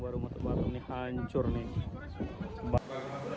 rumah tempat ini hancur nih